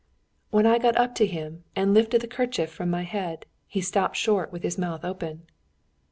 When I got up to him and lifted the kerchief from my head, he stopped short with his mouth open.